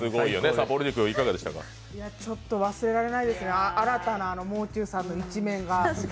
ちょっと忘れられないですね、新たなもう中さんの一面が。